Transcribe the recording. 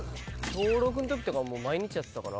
小６の時とかはもう毎日やってたから。